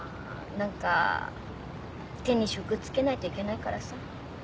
何か手に職つけないといけないからさ。